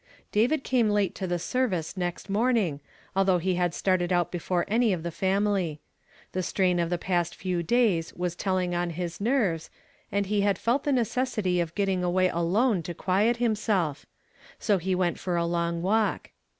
David came late to the service next mornintr. idthough he had started out before any of the family. The strain of the past few days was tell ing on his jierves, and he had felt the necessity of getting away alone to (piiet himself; so he went for a long walk.